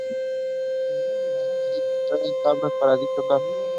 Este valor se puede encontrar en tablas para dicho caso.